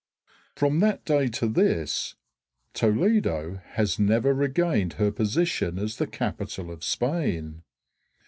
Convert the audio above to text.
From that day to this Toledo has never regained her position as the capital of Spain.